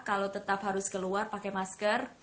kalau tetap harus keluar pakai masker